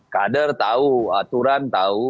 kader tahu aturan tahu